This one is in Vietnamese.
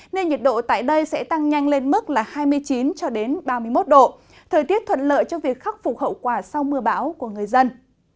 nên nhiệt độ tại đây sẽ tăng nhanh lên mức là hai mươi chín ba mươi một độ thời tiết thuận lợi cho việc khắc phục hậu quả sau mưa bão của người dân